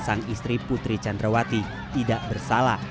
sang istri putri candrawati tidak bersalah